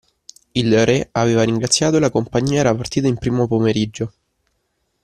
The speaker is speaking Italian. Il re aveva ringraziato e la compagnia era partita in primo pomeriggio.